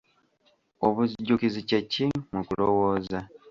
Obujjukizi kye ki mu kulowooza?